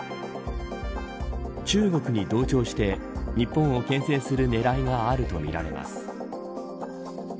中国に同調して日本をけん制する狙いがあるとみられます。